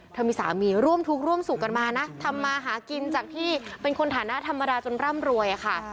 มีสามีร่วมทุกข์ร่วมสุขกันมานะทำมาหากินจากที่เป็นคนฐานะธรรมดาจนร่ำรวยอะค่ะ